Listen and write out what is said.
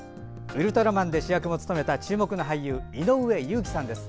「ウルトラマン」で主役を務めた注目の俳優、井上祐貴さんです。